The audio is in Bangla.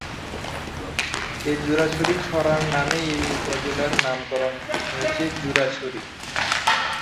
এ জুরাছড়ি ছড়ার নামেই এ উপজেলার নামকরণ হয়েছে "জুরাছড়ি"।